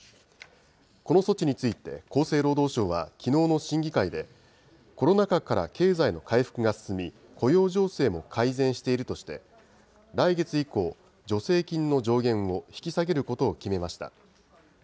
この措置について、厚生労働省はきのうの審議会で、コロナ禍から経済の回復が進み、雇用情勢も改善しているとして、来月以降、助成金の上限を引き下げることを決めました。